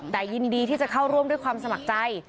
แต่ยินดีที่จะเข้าร่วมด้วยความสมัครใจ